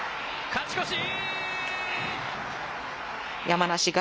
勝ち越し！